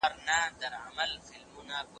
روانی ناروغان په زنځیرونو ولي تړل کیږي؟